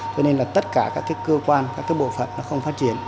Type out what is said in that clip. cho nên là tất cả các cơ quan các cái bộ phận nó không phát triển